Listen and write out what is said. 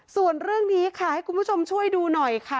ส่วนเรื่องนี้ค่ะให้คุณผู้ชมช่วยดูหน่อยค่ะ